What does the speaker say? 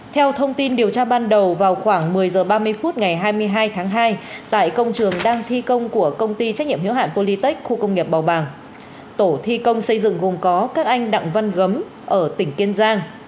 theo thông tin điều tra ban đầu vào khoảng một mươi h ba mươi phút ngày hai mươi hai tháng hai tại công trường đang thi công của công ty trách nhiệm hiếu hạn polytech khu công nghiệp bảo bàng tổ thi công xây dựng gồm có các anh đặng văn gấm ở tỉnh kiên giang